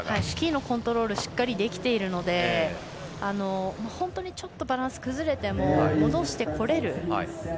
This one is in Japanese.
スキーのコントロールしっかりできているので本当にちょっとバランス崩れても戻してこれる